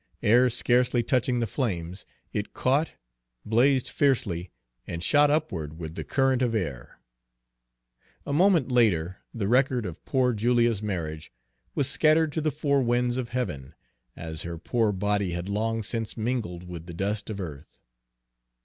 Ere scarcely touching the flames it caught, blazed fiercely, and shot upward with the current of air. A moment later the record of poor Julia's marriage was scattered to the four winds of heaven, as her poor body had long since mingled with the dust of earth.